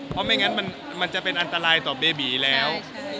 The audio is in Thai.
เพราะไม่งั้นมันจะเป็นอันตรายต่อเบบีแล้ว